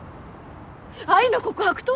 愛の告白と？